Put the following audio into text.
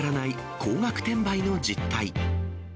高額転売の実態。